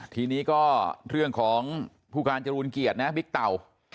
ทีนี้ก็เรื่องของพูการจรวนเกียจมิเต่า